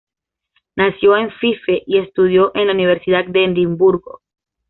Nació en Fife y estudió en la Universidad de Edimburgo.